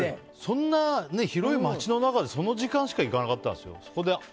広い街の中でその時間しか行かなかったんですよ。